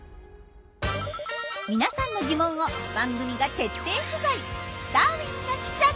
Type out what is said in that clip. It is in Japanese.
皆さんの疑問を番組が徹底取材！